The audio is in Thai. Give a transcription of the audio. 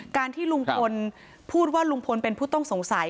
การที่ลุงพลพูดว่าลุงพลเป็นผู้ต้องสงสัย